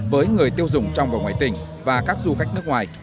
với người tiêu dùng trong và ngoài tỉnh và các du khách nước ngoài